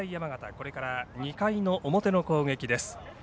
これから２回の表の攻撃です。